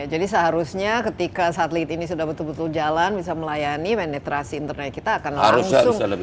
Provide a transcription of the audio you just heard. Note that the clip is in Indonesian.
jadi seharusnya ketika satelit ini sudah betul betul jalan bisa melayani penetrasi internet kita akan langsung